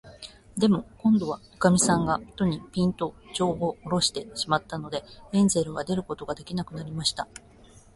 でも、こんどは、おかみさんが戸に、ぴんと、じょうをおろしてしまったので、ヘンゼルは出ることができなくなりました。